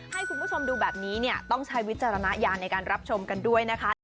ให้คุณผู้ชมดูแบบนี้เนี่ยต้องใช้วิจารณญาณในการรับชมกันด้วยนะคะ